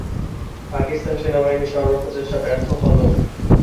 পাকিস্তান সেনাবাহিনীর সব প্রচেষ্টা ব্যর্থ হলো।